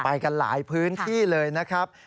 ไปกันหลายพื้นที่เลยนะครับ